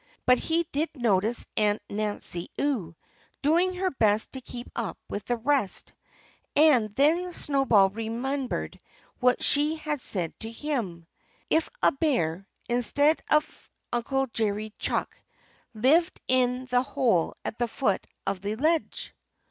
But he did notice Aunt Nancy Ewe, doing her best to keep up with the rest. And then Snowball remembered what she had said to him. If a bear instead of Uncle Jerry Chuck lived in the hole at the foot of the ledge!